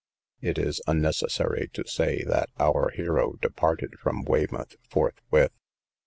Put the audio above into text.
It is unnecessary to say, that our hero departed from Weymouth forthwith.